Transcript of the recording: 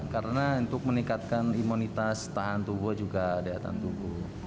karena untuk meningkatkan imunitas tahan tubuh juga di atas tubuh